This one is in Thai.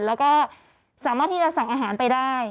แล้วก็สามารถที่จะสั่งอาหารไปได้